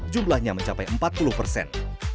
jumlahnya mencapai empat puluh persen